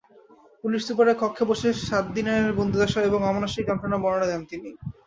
Police সুপারের কক্ষে বসে সাত দিনের বন্দিদশা এবং অমানুষিক যন্ত্রণার বর্ণনা দেন তিনি।